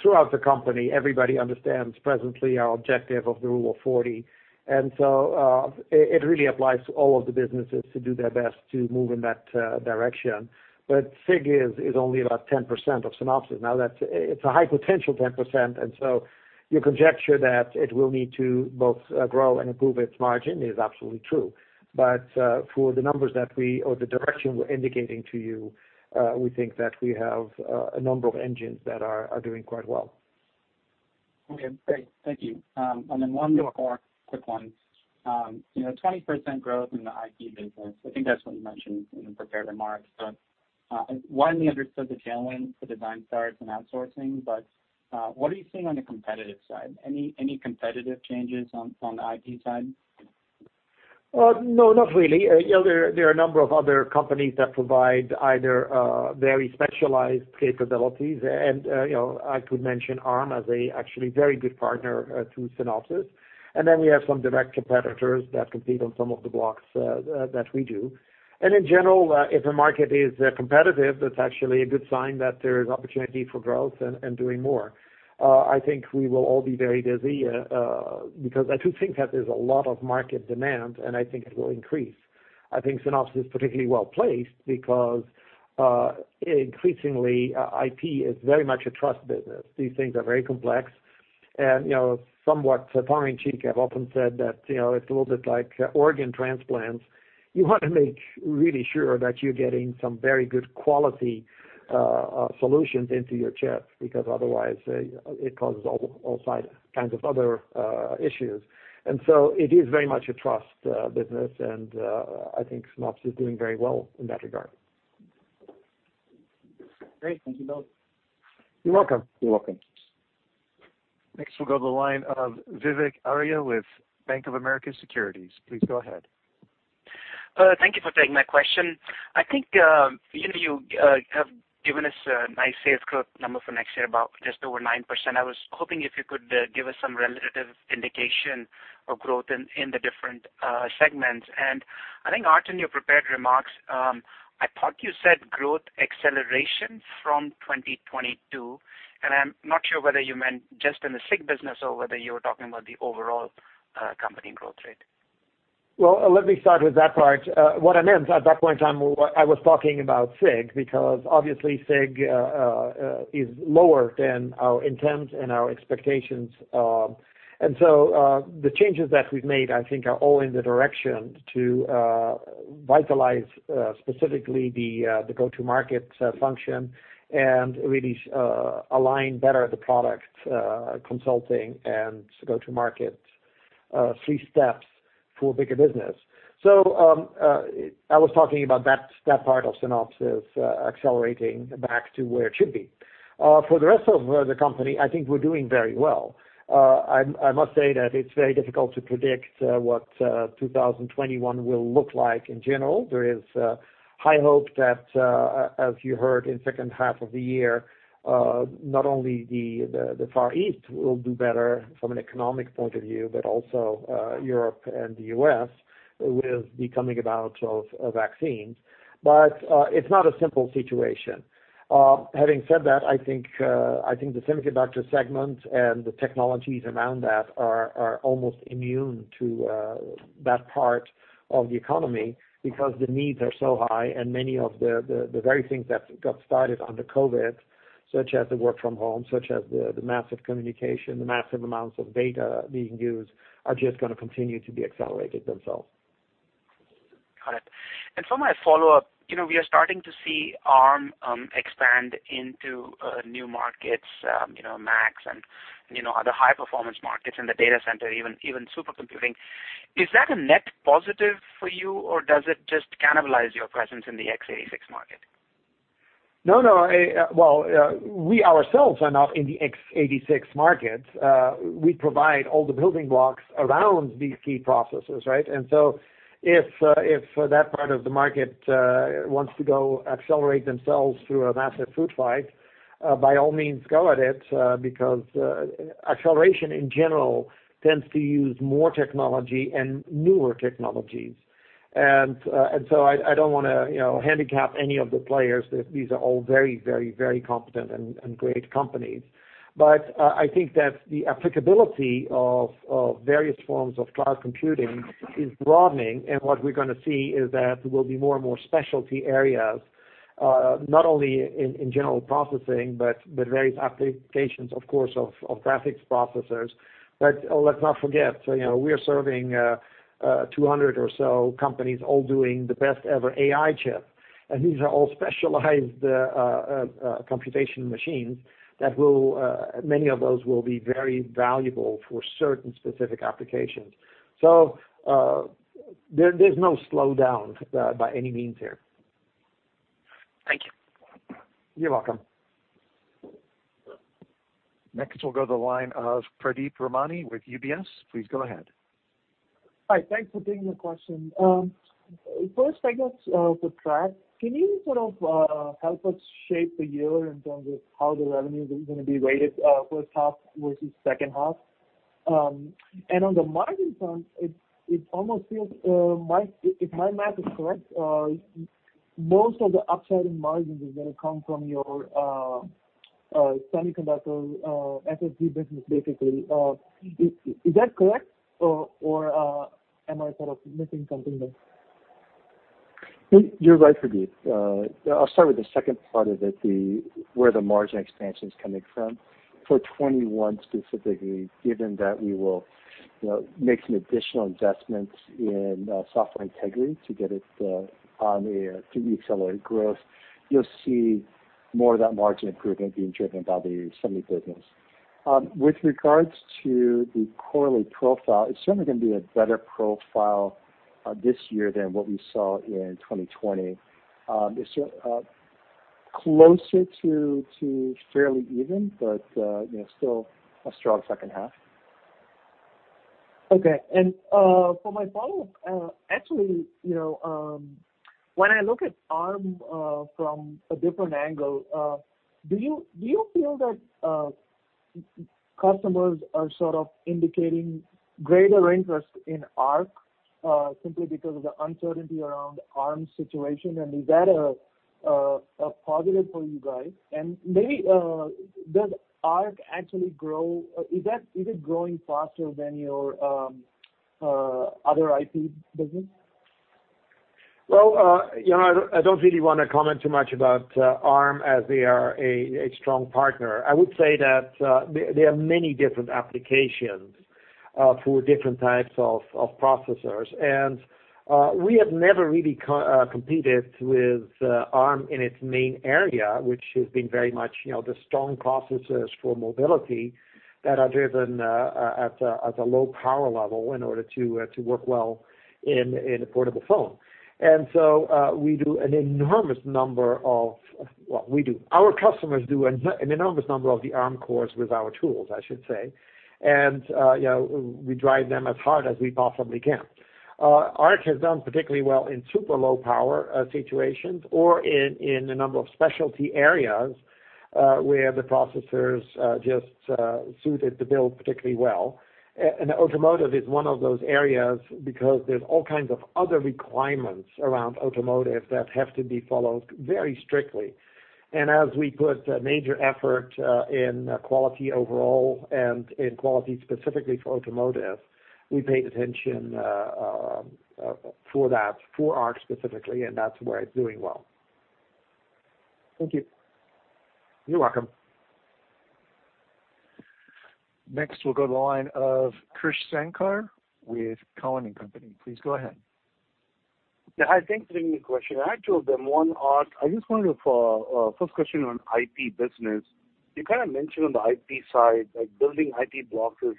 throughout the company, everybody understands presently our objective of the Rule of 40, and so it really applies to all of the businesses to do their best to move in that direction. SIG is only about 10% of Synopsys. Now, it's a high potential 10%, and so your conjecture that it will need to both grow and improve its margin is absolutely true. For the numbers that we, or the direction we're indicating to you, we think that we have a number of engines that are doing quite well. Okay, great. Thank you. One more quick one. 20% growth in the IP business, I think that's what you mentioned in the prepared remarks. Widely understood the tailwind for design starts and outsourcing, but what are you seeing on the competitive side? Any competitive changes on the IP side? No, not really. There are a number of other companies that provide either very specialized capabilities, and I could mention Arm as a actually very good partner to Synopsys. Then we have some direct competitors that compete on some of the blocks that we do. In general, if a market is competitive, that's actually a good sign that there is opportunity for growth and doing more. I think we will all be very busy, because I do think that there's a lot of market demand, and I think it will increase. I think Synopsys is particularly well-placed because increasingly, IP is very much a trust business. These things are very complex, and somewhat tongue in cheek, I've often said that it's a little bit like organ transplants. You want to make really sure that you're getting some very good quality solutions into your chips, because otherwise it causes all side kinds of other issues. It is very much a trust business, and I think Synopsys is doing very well in that regard. Great. Thank you both. You're welcome. You're welcome. Next, we'll go to the line of Vivek Arya with Bank of America Securities. Please go ahead. Thank you for taking my question. I think you have given us a nice sales growth number for next year, about just over 9%. I was hoping if you could give us some relative indication of growth in the different segments. I think, Aart, your prepared remarks, I thought you said growth acceleration from 2022, and I'm not sure whether you meant just in the SIG business or whether you were talking about the overall company growth rate. Well, let me start with that part. What I meant at that point in time, I was talking about SIG, because obviously SIG is lower than our intent and our expectations. The changes that we've made, I think, are all in the direction to revitalize, specifically the go-to-market function and really align better the product consulting and go-to-market three steps for bigger business. I was talking about that part of Synopsys accelerating back to where it should be. For the rest of the company, I think we're doing very well. I must say that it's very difficult to predict what 2021 will look like in general. There is high hope that, as you heard in second half of the year, not only the Far East will do better from an economic point of view, but also Europe and the U.S. with the coming about of vaccines. It's not a simple situation. Having said that, I think the semiconductor segment and the technologies around that are almost immune to that part of the economy because the needs are so high and many of the very things that got started under COVID, such as the work from home, such as the massive communication, the massive amounts of data being used, are just going to continue to be accelerated themselves. Got it. For my follow-up, we are starting to see Arm expand into new markets, Macs and other high-performance markets in the data center, even super computing. Is that a net positive for you, or does it just cannibalize your presence in the x86 market? No. Well, we ourselves are not in the x86 market. We provide all the building blocks around these key processes, right? If that part of the market wants to go accelerate themselves through a massive food fight, by all means, go at it, because acceleration, in general, tends to use more technology and newer technologies. I don't want to handicap any of the players. These are all very competent and great companies. I think that the applicability of various forms of cloud computing is broadening, and what we're going to see is that there will be more and more specialty areas, not only in general processing, but various applications, of course, of graphics processors. Let's not forget, we are serving 200 or so companies all doing the best ever AI chip, and these are all specialized computation machines that many of those will be very valuable for certain specific applications. There's no slowdown by any means here. Thank you. You're welcome. Next, we'll go to the line of Pradeep Ramani with UBS. Please go ahead. Hi. Thanks for taking the question. First, I guess, for Trac, can you sort of help us shape the year in terms of how the revenue is going to be weighted first half versus second half? On the margin front, it almost feels, if my math is correct, most of the upside in margins is going to come from your semiconductor SSD business, basically. Is that correct, or am I sort of missing something there? You're right, Pradeep. I'll start with the second part of it, where the margin expansion is coming from. For 2021 specifically, given that we will make some additional investments in Software Integrity to get it on a pretty accelerated growth, you'll see more of that margin improvement being driven by the semi business. With regards to the quarterly profile, it's certainly going to be a better profile this year than what we saw in 2020. It's closer to fairly even, but still a strong second half. Okay. For my follow-up, actually, when I look at Arm from a different angle, do you feel that customers are sort of indicating greater interest in ARC simply because of the uncertainty around Arm's situation, and is that a positive for you guys? Maybe, does ARC actually grow? Is it growing faster than your other IP business? Well, I don't really want to comment too much about Arm, as they are a strong partner. I would say that there are many different applications for different types of processors, and we have never really competed with Arm in its main area, which has been very much the strong processors for mobility that are driven at a low power level in order to work well in a portable phone. We do an enormous number of, well, our customers do an enormous number of the Arm cores with our tools, I should say. We drive them as hard as we possibly can. ARC has done particularly well in super low power situations or in a number of specialty areas where the processors just suited the bill particularly well. Automotive is one of those areas because there's all kinds of other requirements around automotive that have to be followed very strictly. As we put a major effort in quality overall and in quality specifically for automotive, we paid attention for that, for ARC specifically, and that's where it's doing well. Thank you. You're welcome. Next, we'll go to the line of Krish Sankar with Cowen and Company. Please go ahead. Yeah. Hi, thanks for taking the question. I had two of them. Aart, I just wanted to follow up. First question on IP business. You kind of mentioned on the IP side, like building IP blocks is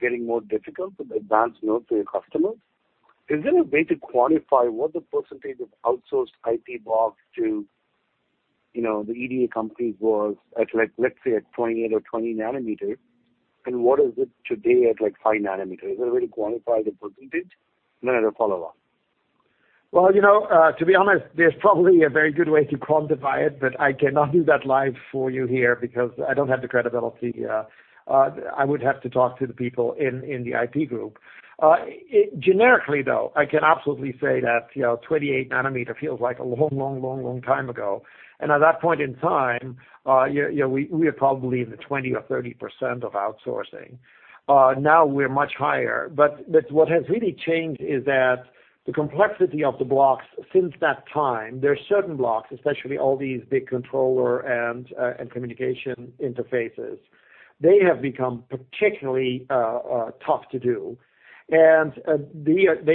getting more difficult with advanced nodes for your customers. Is there a way to quantify what the percentage of outsourced IP blocks to the EDA companies was at, let's say, at 28 nm or 20 nm? What is it today at 5 nm? Is there a way to quantify the percentage? I have a follow-up. Well, to be honest, there's probably a very good way to quantify it, but I cannot do that live for you here because I don't have the credibility. I would have to talk to the people in the IP group. Generically, though, I can absolutely say that 28 nm feels like a long time ago. At that point in time, we are probably in the 20% or 30% of outsourcing. Now we're much higher. What has really changed is that the complexity of the blocks since that time. There are certain blocks, especially all these big controller and communication interfaces. They have become particularly tough to do. They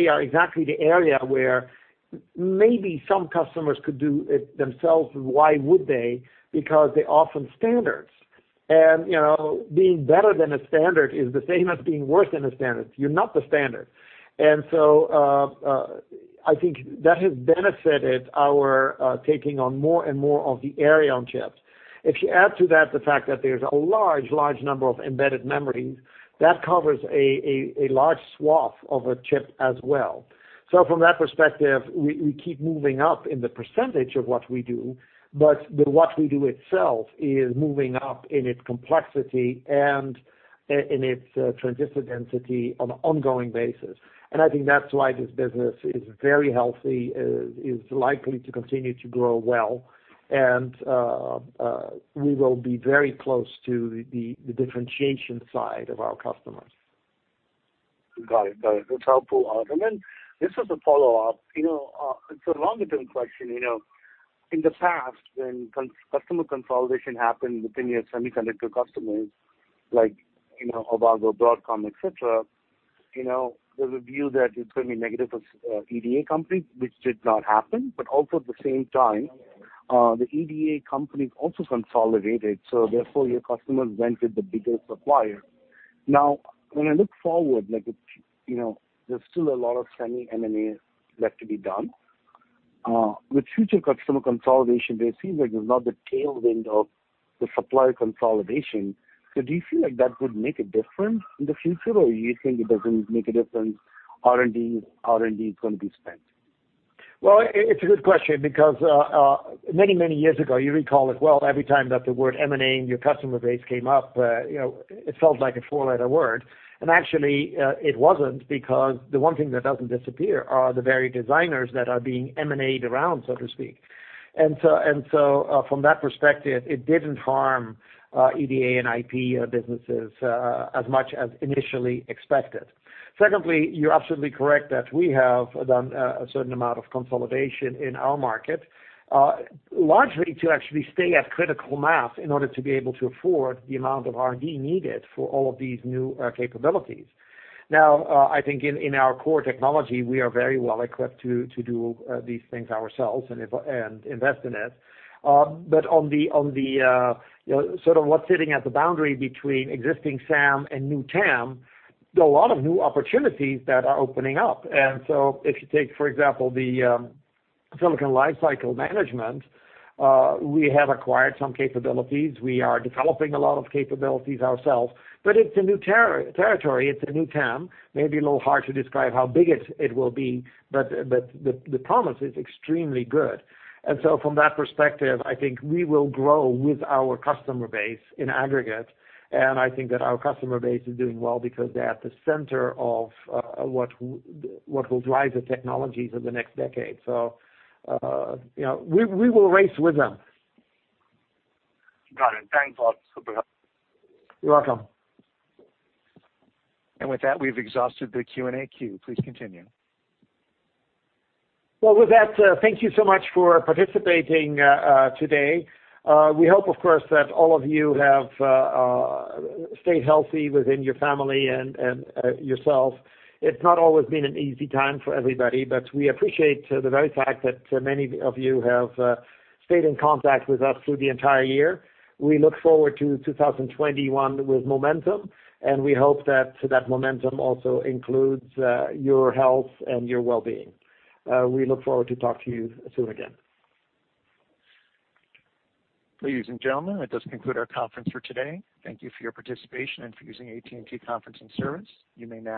are exactly the area where maybe some customers could do it themselves, but why would they? Because they offer standards. Being better than a standard is the same as being worse than a standard. You're not the standard. I think that has benefited our taking on more and more of the area on chips. If you add to that the fact that there's a large number of embedded memories, that covers a large swath of a chip as well. From that perspective, we keep moving up in the percentage of what we do, but what we do itself is moving up in its complexity and in its transistor density on an ongoing basis. I think that's why this business is very healthy, is likely to continue to grow well, and we will be very close to the differentiation side of our customers. Got it. That's helpful, Aart. Then this is a follow-up. It's a longer-term question. In the past, when customer consolidation happened within your semiconductor customers, like Avago, Broadcom, et cetera, there's a view that it's going to be negative for EDA companies, which did not happen. Also at the same time, the EDA companies also consolidated, so therefore your customers went with the bigger supplier. Now, when I look forward, there's still a lot of semi M&A left to be done. With future customer consolidation, it seems like there's now the tailwind of the supplier consolidation. Do you feel like that would make a difference in the future, or you think it doesn't make a difference, R&D is going to be spent? Well, it's a good question because many years ago, you recall it well, every time that the word M&A and your customer base came up, it felt like a four-letter word. Actually, it wasn't because the one thing that doesn't disappear are the very designers that are being M&A'd around, so to speak. From that perspective, it didn't harm EDA and IP businesses as much as initially expected. Secondly, you're absolutely correct that we have done a certain amount of consolidation in our market, largely to actually stay at critical mass in order to be able to afford the amount of R&D needed for all of these new capabilities. Now, I think in our core technology, we are very well-equipped to do these things ourselves and invest in it. On the sort of what's sitting at the boundary between existing SAM and new TAM, there are a lot of new opportunities that are opening up. If you take, for example, the Silicon Lifecycle Management, we have acquired some capabilities. We are developing a lot of capabilities ourselves, but it's a new territory, it's a new TAM. Maybe a little hard to describe how big it will be, but the promise is extremely good. From that perspective, I think we will grow with our customer base in aggregate, and I think that our customer base is doing well because they're at the center of what will drive the technologies of the next decade. We will race with them. Got it. Thanks, Aart. Super helpful. You're welcome. With that, we've exhausted the Q&A queue. Please continue. With that, thank you so much for participating today. We hope, of course, that all of you have stayed healthy within your family and yourself. It's not always been an easy time for everybody, but we appreciate the very fact that many of you have stayed in contact with us through the entire year. We look forward to 2021 with momentum, and we hope that momentum also includes your health and your well-being. We look forward to talk to you soon again. Ladies and gentlemen, that does conclude our conference for today. Thank you for your participation and for using AT&T conferencing service. You may now disconnect.